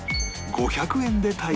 ５００円。